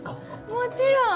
もちろん！